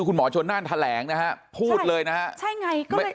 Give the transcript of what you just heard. คุณหมอชนนั่นแถลงพูดเลยนะครับ